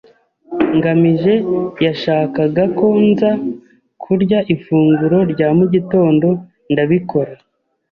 ngamije yashakaga ko nza kurya ifunguro rya mu gitondo, ndabikora.